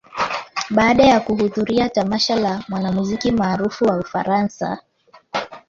baada ya kuhudhuria tamasha la mwanamuziki maarufu wa Ufaransa